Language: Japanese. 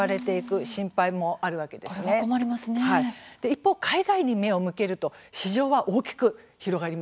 一方海外に目を向けると市場は大きく広がりますよね。